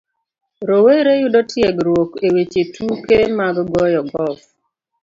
Rowere yudo tiegruok e weche tuke mag goyo golf